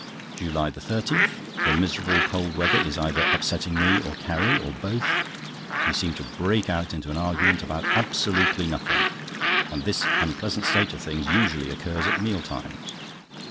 JULY 30.—The miserable cold weather is either upsetting me or Carrie, or both. We seem to break out into an argument about absolutely nothing, and this unpleasant state of things usually occurs at meal times.